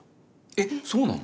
えっそうなの？